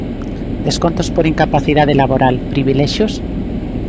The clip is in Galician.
Descontos por incapacidade laboral, ¿privilexios?